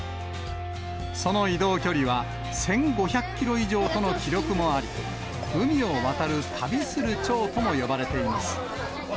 その移動距離は１５００キロ以上との記録もあり、海を渡る旅するちょうとも呼ばれています。